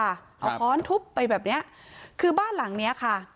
เอาค้อนทุบไปแบบเนี้ยคือบ้านหลังเนี้ยค่ะ